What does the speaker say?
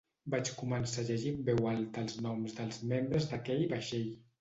Vaig començar a llegir en veu alta els noms dels membres d’aquell vaixell.